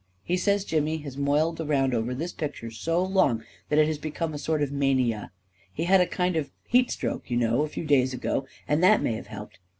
He says Jimmy has moiled around over this picture so long, that it has become a sort of mania — he had a kind of heat stroke, you know, a few days ago, and that may have helped.